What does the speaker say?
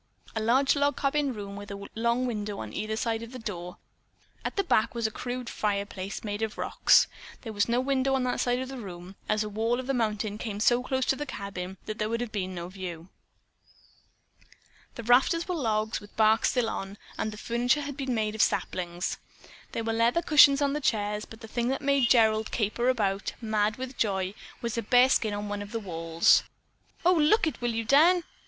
A large log cabin room with a long window on either side of the door. At the back was a crude fireplace made of rocks. There was no window on that side of the room, as a wall of the mountain came so close to the cabin that there would have been no view. The rafters were logs with the bark still on, and the furniture had been made of saplings. There were leather cushions in the chairs, but the thing that made Gerald caper about, mad with joy, was a bearskin on one of the walls. "Oh, look it, will you, Dan?